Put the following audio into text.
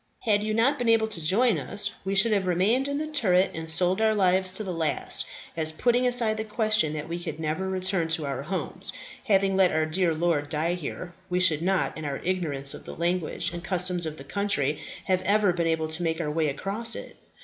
Had you not been able to join us, we should have remained in the turret and sold our lives to the last, as, putting aside the question that we could never return to our homes, having let our dear lord die here, we should not, in our ignorance of the language and customs of the country, have ever been able to make our way across it.